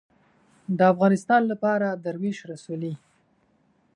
د افغانستان لپاره دروېش رسولې